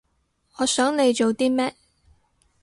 我想你做啲咩